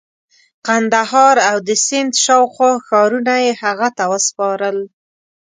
قندهار او د سند شاوخوا ښارونه یې هغه ته وسپارل.